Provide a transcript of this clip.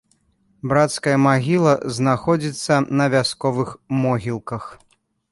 Брацкая магіла знаходзіцца на вясковых могілках.